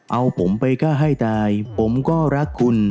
เอาผมไปก็ให้ตายผมก็รักคุณ